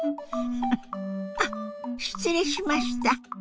あっ失礼しました。